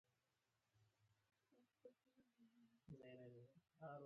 په کتاب کې غوره ویناوې راغلې.